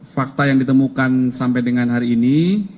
fakta yang ditemukan sampai dengan hari ini